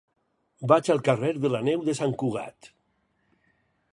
Vaig al carrer de la Neu de Sant Cugat.